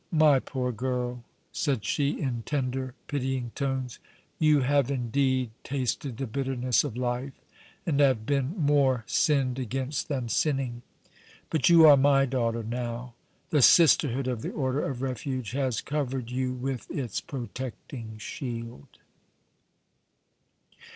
"My poor girl," said she, in tender, pitying tones, "you have, indeed, tasted the bitterness of life and have been more sinned against than sinning. But you are my daughter now. The Sisterhood of the Order of Refuge has covered you with its protecting shield."